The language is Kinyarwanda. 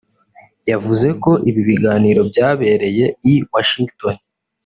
yavuze ko ibi biganiro byabereye i Washington